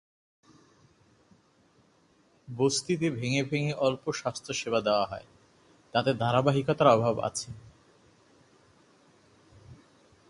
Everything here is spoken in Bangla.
বস্তিতে ভেঙে ভেঙে অল্প স্বাস্থ্যসেবা দেওয়া হয়, তাতে ধারাবাহিকতার অভাব আছে।